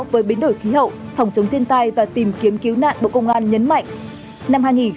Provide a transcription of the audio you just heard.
với biến đổi khí hậu phòng chống thiên tai và tìm kiếm cứu nạn bộ công an nhấn mạnh